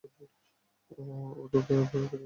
ও তো আমাকে এ ব্যাপারে কিছু বলেনি।